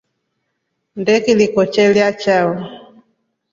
Nnde kliko chelya chao.